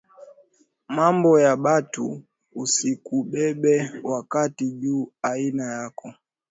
Mambo ya batu usikubebe wakati ju aina yako